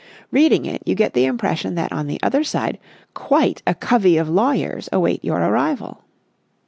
Reading it, you get the impression that on the other side quite a covey of lawyers await your arrival.